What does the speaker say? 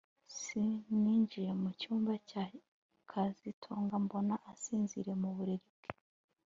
S Ninjiye mu cyumba cya kazitunga mbona asinziriye mu buriri bwe